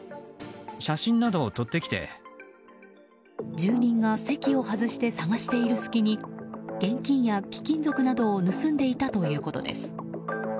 住人が席を外して探している隙に現金や貴金属などを盗んでいたということです。